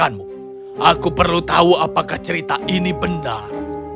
aku perlu tahu apakah cerita ini benar